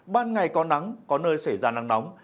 ban ngày có nắng có nơi xảy ra nắng nóng